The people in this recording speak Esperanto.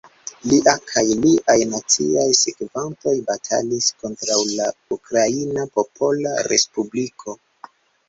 Lia kaj liaj naciaj sekvantoj batalis kontraŭ la Ukraina Popola Respubliko.